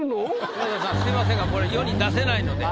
梅沢さんすみませんがこれ世に出せないので。